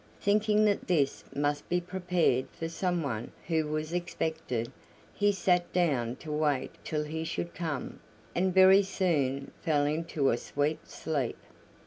Thinking that this must be prepared for someone who was expected, he sat down to wait till he should come, and very soon fell into a sweet sleep.